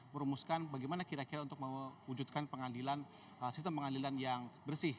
merumuskan bagaimana kira kira untuk mewujudkan pengadilan sistem pengadilan yang bersih